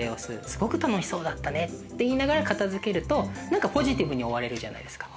すごく楽しそうだったね」って言いながら片づけると何かポジティブに終われるじゃないですか。